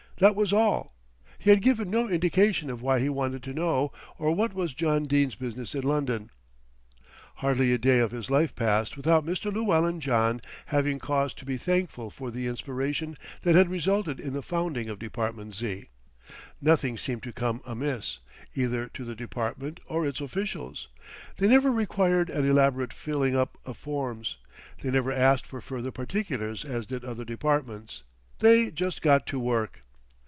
That was all. He had given no indication of why he wanted to know, or what was John Dene's business in London. Hardly a day of his life passed without Mr. Llewellyn John having cause to be thankful for the inspiration that had resulted in the founding of Department Z. Nothing seemed to come amiss, either to the Department or its officials. They never required an elaborate filling up of forms, they never asked for further particulars as did other departments. They just got to work.